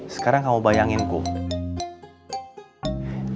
sekarang kamu bayangin kum